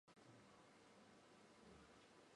文化大革命期间遭受迫害。